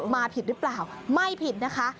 มาผิดหรือเปล่าไม่ผิดนะคะ